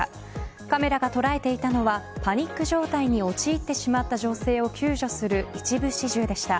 カメラが捉えていたのはパニック状態に陥ってしまった女性を救助する一部始終でした。